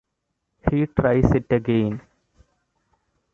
He tries it again.